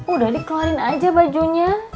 udah dikeluarin aja bajunya